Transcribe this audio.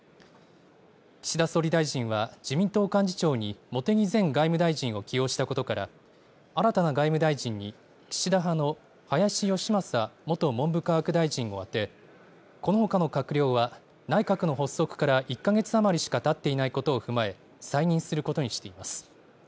岸田総理大臣は、自民党幹事長に茂木前外務大臣を起用したことから、新たな外務大臣に岸田派の林芳正元文部科学大臣を充て、このほかの閣僚は、内閣の発足から１か月余りしかたっていないことを踏まえ、再任することにしています。